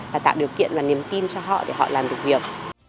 và tạo điều kiện và niềm tin cho họ để họ làm được việc